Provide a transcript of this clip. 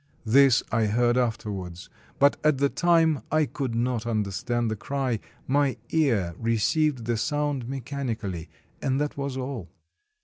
This I heard afterwards ; but, at the time, I could not understand the cry; my ear received the sound mechanically, and that was all.